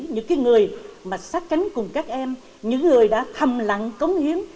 những người mà sát cánh cùng các em những người đã thầm lặng cống hiến